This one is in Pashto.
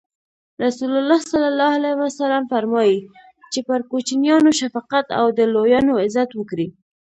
رسول الله ص فرمایي: چی پر کوچنیانو شفقت او او د لویانو عزت وکړي.